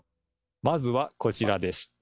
まずはこちらです。